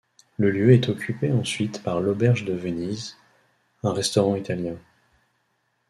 Le lieu est occupé ensuite par L'Auberge de Venise, un restaurant italien.